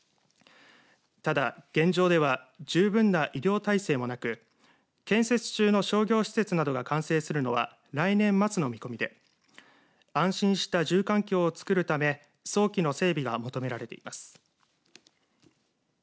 ただ現状では十分な医療体制もなく建設中の商業施設などが完成するのは来年末の見込みで安心した住環境をつくるため早期の整備が求められています。